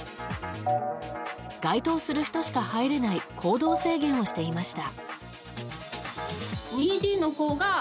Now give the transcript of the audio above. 該当する人しか入れない行動制限をしていました。